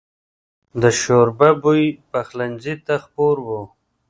د شوربه بوی پخلنځي ته خپور و.